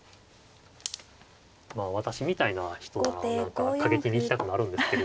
まあ私みたいな人なら何か過激に行きたくなるんですけれど。